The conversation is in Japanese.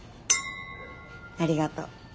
ありがと。